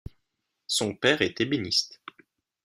Son père est ébéniste.